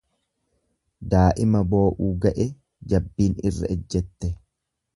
Daa'ima boo'uu ga'e jabbiin irra ejjette.